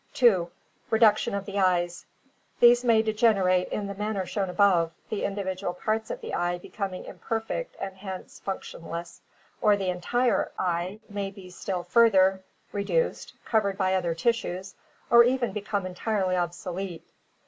2. Reduction of the eyes. These may degenerate in the manner shown above, the individual parts of the eye becoming imperfect and hence functionless, or the entire eye may be still further re duced, covered by other tissues, or even become entirely obsolete.